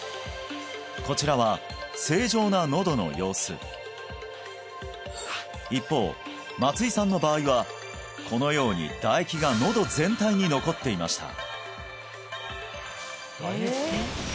こちらは正常な喉の様子一方松井さんの場合はこのように唾液が喉全体に残っていました